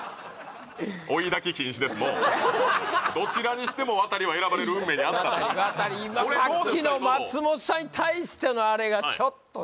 はいもうどちらにしてもワタリは選ばれる運命にあったワタリ今さっきの松本さんに対してのあれがちょっとね